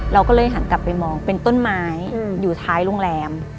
เราก็เลยหันกลับไปมองเป็นต้นไม้อยู่ท้ายโรงแรม